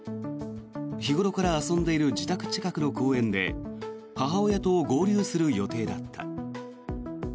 日頃から遊んでいる自宅近くの公園で母親と合流する予定だった。